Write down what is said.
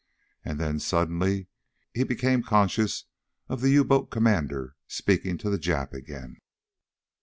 And then, suddenly, he became conscious of the U boat commander speaking to the Jap again.